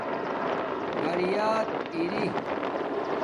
فریات اری